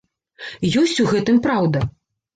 Ёсць у гэтым праўда?